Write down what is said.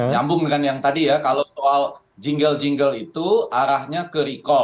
nyambung dengan yang tadi ya kalau soal jingle jingle itu arahnya ke recall